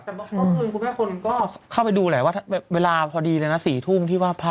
แต่เมื่อคืนคุณแม่คนก็เข้าไปดูแหละว่าเวลาพอดีเลยนะ๔ทุ่มที่ว่าพระ